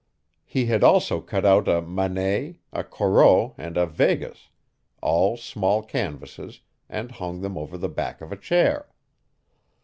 He had also cut out a Manet, a Corot and a Vegas all small canvases and hung them over the back of a chair.